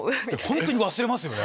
本当に忘れますよね